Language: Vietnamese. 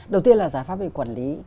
đầu tiên là giải pháp về quản lý